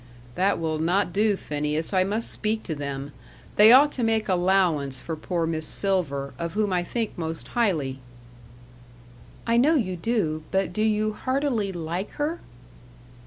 "That will not do, Phineas. I must speak to them. They ought to make allowance for poor Miss Silver, of whom I think most highly." "I know you do; but do you heartily like her?"